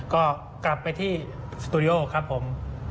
ก็กลับไปที่สตูดิโอครับผม